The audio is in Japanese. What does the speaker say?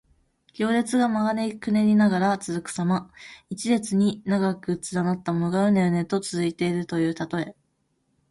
行列が曲がりくねりながら長く続くさま。一列に長く連なったものが、うねうねと続いているというたとえ。